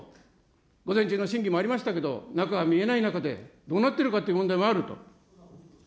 午前中の審議もありましたけど、中は見えない中で、どうなっているかという問題もあると。